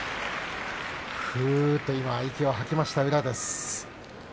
ふうっと息を吐きました宇良です。